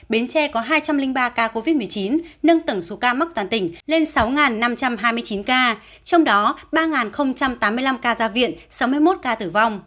bến tre có hai trăm linh ba ca covid một mươi chín nâng tổng số ca mắc toàn tỉnh lên sáu năm trăm hai mươi chín ca trong đó ba tám mươi năm ca ra viện sáu mươi một ca tử vong